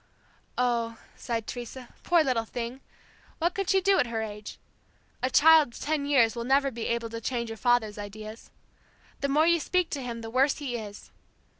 "Oh," sighed Teresa, "poor little thing! What could she do at her age! A child of ten years will never be able to change your father's ideas. The more you speak to him the worse he is.